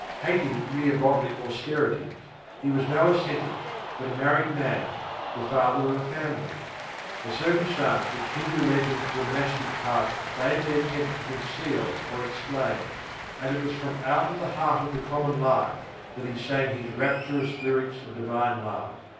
Hating mere bodily austerities, he was no ascetic, but a married man, the father of a family a circumstance which Hindu legends of the monastic type vainly attempt to conceal or explain and it was from out of the heart of the common life that he sang his rapturous lyrics of divine love.